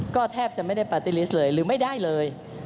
ก็แทบจะไม่ได้ปาร์ตี้ลิสต์เลยหรือไม่ได้เลย